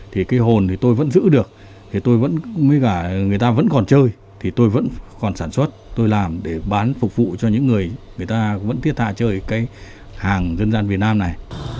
thì cái hồn thì tôi vẫn giữ được người ta vẫn còn chơi tôi vẫn còn sản xuất tôi làm để bán phục vụ cho những người người ta vẫn thiết hạ chơi cái hàng dân gian việt nam này